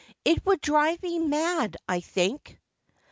It ■would drive me mad. I think.'